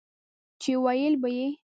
چې وييل به يې